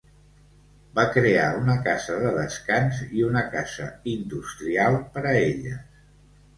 Va crear una Casa de descans i una Casa industrial per a elles.